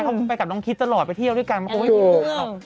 ผมไปกับน้องคิฟตลอดไปเที่ยวด้วยกันมาค่อย